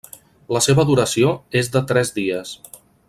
La seva duració és de tres dies.